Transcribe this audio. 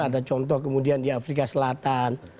ada contoh kemudian di afrika selatan